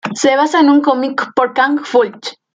Se basa en un cómic por Kang Full.